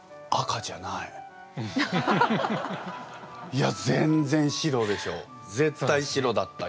いや全然白でしょ。